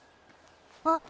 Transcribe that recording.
あっ！